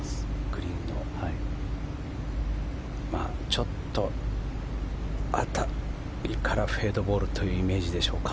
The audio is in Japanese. グリーンの辺りからフェードボールというイメージでしょうか。